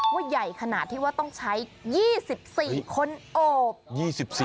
ว่าใหญ่ขนาดที่ว่าต้องใช้๒๔คนโอบ